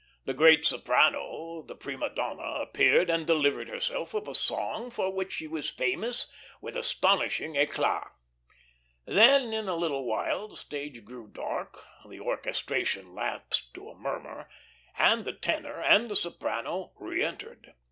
The great soprano, the prima donna, appeared and delivered herself of a song for which she was famous with astonishing eclat. Then in a little while the stage grew dark, the orchestration lapsed to a murmur, and the tenor and the soprano reentered.